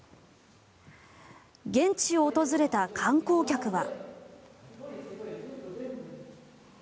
現地を訪れた観光客は。